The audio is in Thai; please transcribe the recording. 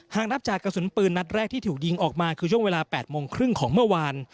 นับจากกระสุนปืนนัดแรกที่ถูกยิงออกมาคือช่วงเวลา๘โมงครึ่งของเมื่อวาน